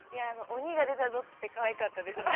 ◆鬼が出たぞってかわいかったですね。